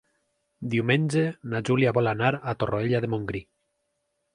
Diumenge na Júlia vol anar a Torroella de Montgrí.